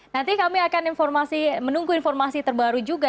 nanti kami akan menunggu informasi terbaru juga